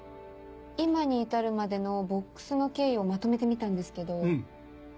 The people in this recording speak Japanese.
今に至るまでのボックスの経緯をまとめてみたんですけど。